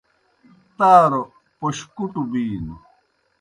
تاروْ پوْش کُٹوْ بِینوْ۔